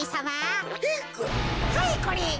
はいこれ。